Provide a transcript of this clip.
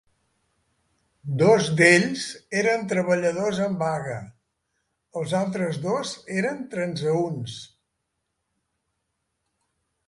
Dos d'ells eren treballadors en vaga; els altres dos eren transeünts.